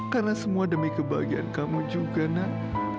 karena semua demi kebahagiaan kamu juga nak